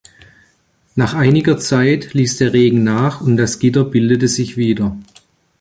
Nach einiger Zeit ließ der Regen nach und das Gitter bildete sich wieder.